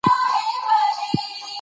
هغه د ږیرې سپینو ډکو ته پام وکړ.